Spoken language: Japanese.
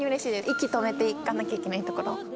息止めて行かなきゃいけないところ。